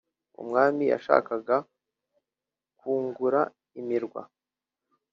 umwami yashaaká kwungur imirwa